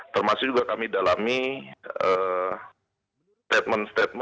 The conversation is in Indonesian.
termasuk juga kami dalami statement statement serta video